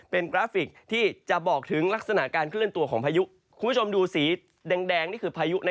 เป็นกราฟิกที่จะบอกถึงลักษณะการเคลื่อนตัวของพายุ